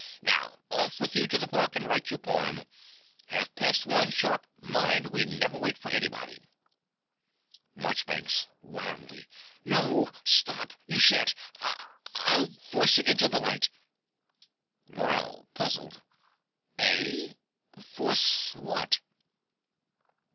Now off with you to the park, and write your poem. Half past one, sharp, mind: we never wait for anybody. MARCHBANKS (wildly). No: stop: you shan't. I'll force it into the light. MORELL (puzzled). Eh? Force what?